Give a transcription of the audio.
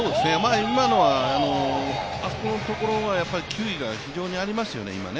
今のはあそこのところは球威が非常にありますよね。